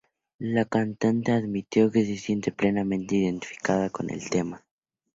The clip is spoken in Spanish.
La cantante admitió que se siente plenamente identificada con el tema.